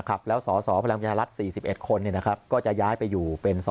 ครับแล้วสอพลังปัชฌาลัด๔๑คนนะครับก็จะย้ายไปอยู่เป็นสอ